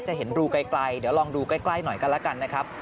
จะเห็นรูไกลเดี๋ยวลองดูใกล้หน่อยกันแล้วกันนะครับ